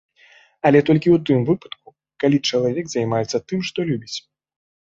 Але толькі ў тым выпадку, калі чалавек займаецца тым, што любіць.